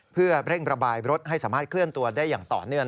เพื่อเร่งระบายรถให้สามารถเคลื่อนตัวได้อย่างต่อเนื่อง